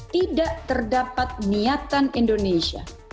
tidak terdapat niatan indonesia